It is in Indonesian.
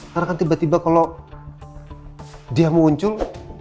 karena kan tiba tiba kalau dia mau muncul